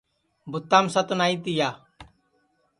بُتام ست نائی تیا